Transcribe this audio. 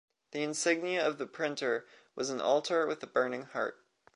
The insignia of the printer was an altar with a burning heart.